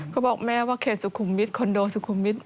บอกแม่ว่าเขตสุขุมวิทย์คอนโดสุขุมวิทย